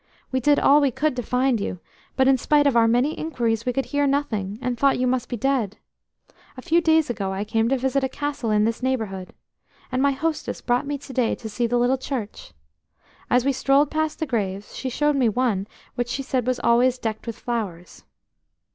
We did all we could to find you, but in spite of our many inquiries we could hear nothing, and thought you must be dead. A few days ago I came to visit a castle in this neighbourhood, and my hostess brought me to day to see the little church. As we strolled past the graves, she showed me one which she said was always decked with flowers.